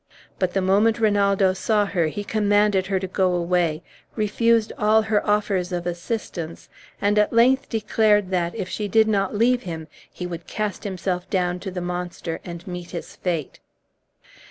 But the moment Rinaldo saw her he commanded her to go away, refused all her offers of assistance, and at length declared that, if she did not leave him, he would cast himself down to the monster, and meet his fate.